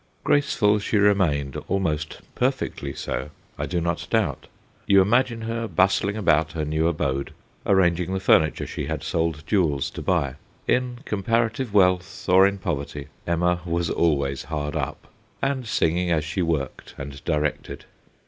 Graceful she remained, almost perfectly so, I do not doubt. You imagine her bustling about her new abode, arranging the furniture she had sold jewels to buy in comparative wealth or in poverty, Emma was always hard up and singing as she SIR WILLIAM 181 worked and directed.